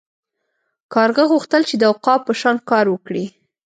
کارغه غوښتل چې د عقاب په شان کار وکړي.